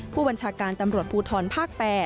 ผู้บัญชาการตำรวจภูทรภาค๘